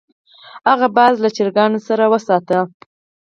هغه باز له چرګانو سره وساته.